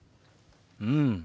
うん。